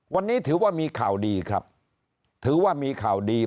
วันนี้ถือว่ามีข่าวดีครับถือว่ามีข่าวดี